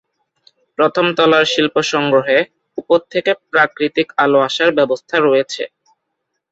প্রথম তলার শিল্প সংগ্রহে, উপর থেকে প্রাকৃতিক আলো আসার ব্যবস্থা রয়েছে।